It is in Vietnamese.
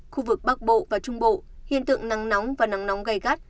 khu vực bắc bộ và trung bộ hiện tượng nắng nóng và nắng nóng gai gắt